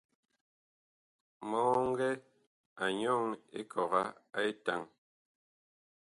Mɔŋgɛ a nyɔŋ ekɔga a etaŋ.